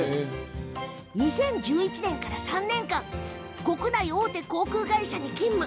２０１１年から３年間国内大手航空会社に勤務。